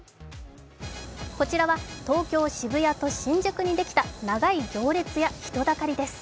こちらは東京・渋谷と新宿にできた長い行列や人だかりです。